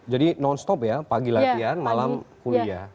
jadi non stop ya pagi latihan malam kuliah